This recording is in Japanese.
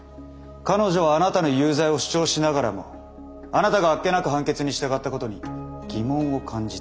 彼女はあなたの有罪を主張しながらもあなたがあっけなく判決に従ったことに疑問を感じたんでしょう。